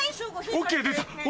ＯＫ出た！